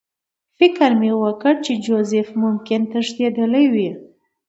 فکر مې وکړ چې جوزف ممکن تښتېدلی وي